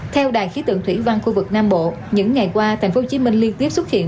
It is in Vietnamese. theo đài khí tượng thủy văn khu vực nam bộ những ngày qua tp hcm liên tiếp xuất hiện